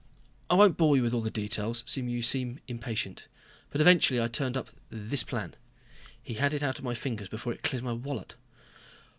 "I won't bore you with all the details, since you seem impatient, but eventually I turned up this plan." He had it out of my fingers before it cleared my wallet.